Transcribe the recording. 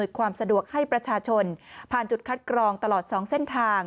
ความสะดวกให้ประชาชนผ่านจุดคัดกรองตลอด๒เส้นทาง